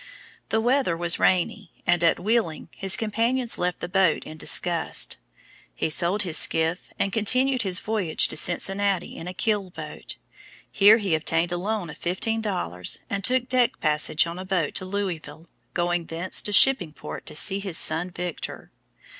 The weather was rainy, and at Wheeling his companions left the boat in disgust. He sold his skiff and continued his voyage to Cincinnati in a keel boat. Here he obtained a loan of fifteen dollars and took deck passage on a boat to Louisville, going thence to Shipping Port to see his son Victor.